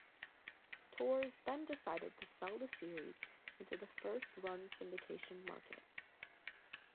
Tors then decided to sell the series into the first-run syndication market.